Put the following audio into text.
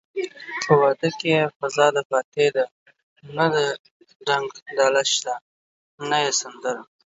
په واده کې يې فضادفاتحې ده نه يې ډنګ دډاله شته نه يې سندره